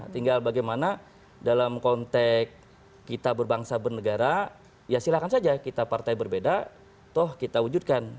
tinggal bagaimana dalam konteks kita berbangsa bernegara ya silahkan saja kita partai berbeda toh kita wujudkan